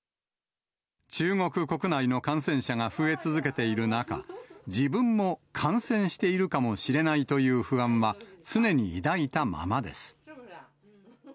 中国国内の感染者が増え続けている中、自分も感染しているかもしれないという不安は、常に抱いたままです。